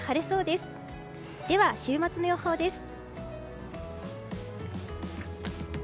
では、週末の予報です。